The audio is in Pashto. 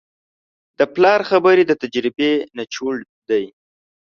د پلار خبرې د تجربې نچوړ دی.